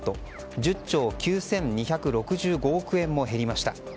１０兆９２６５億円も減りました。